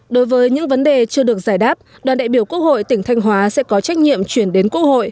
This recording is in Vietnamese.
đối với những vấn đề chưa được giải đáp đoàn đại biểu quốc hội tỉnh thanh hóa sẽ có trách nhiệm chuyển đến quốc hội